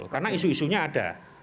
karena isu isunya ada